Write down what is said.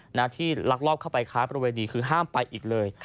หน้าที่ลักลอบเข้าไปค้าประเวณีคือห้ามไปอีกเลย